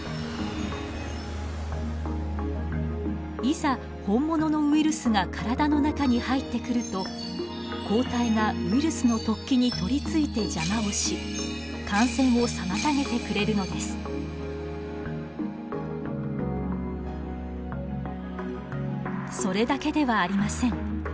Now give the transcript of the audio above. いざ本物のウイルスが体の中に入ってくると抗体がウイルスの突起に取りついて邪魔をしそれだけではありません。